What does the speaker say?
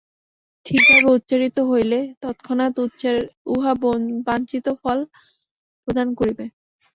ঠিকভাবে উচ্চারিত হইলে তৎক্ষণাৎ উহা বাঞ্ছিত ফল প্রদান করিবে।